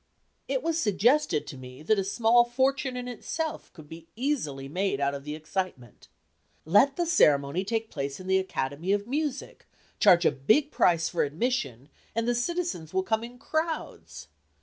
It was suggested to me that a small fortune in itself could be easily made out of the excitement. "Let the ceremony take place in the Academy of Music, charge a big price for admission, and the citizens will come in crowds."